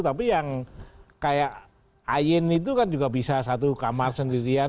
tapi yang kayak ayin itu kan juga bisa satu kamar sendirian